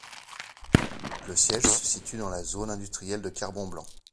Le siège se situe dans la zone industriel de Carbon-Blanc.